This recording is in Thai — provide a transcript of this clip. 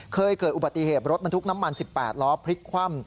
เคยเกิดอุบัติเหตุรถบรรทุกน้ำมัน๑๘ล้อพลิกคว่ำ